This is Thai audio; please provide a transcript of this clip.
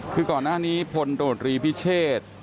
คือก่อนหน้านี้พลโดรีพิเชษ